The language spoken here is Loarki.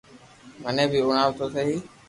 مني بي ھڻاو تو سھي